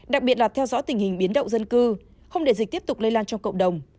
đặc biệt là theo dõi tình hình biến động dân cư không để dịch tiếp tục lây lan trong cộng đồng